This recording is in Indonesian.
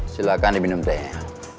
silakan diminum tehnya